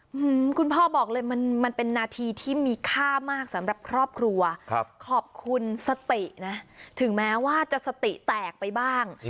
อืมคุณพ่อบอกเลยมันมันเป็นนาทีที่มีค่ามากสำหรับครอบครัวครับขอบคุณสตินะถึงแม้ว่าจะสติแตกไปบ้าง